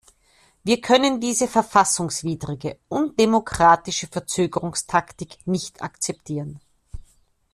Wir können diese verfassungswidrige, undemokratische Verzögerungstaktik nicht akzeptieren.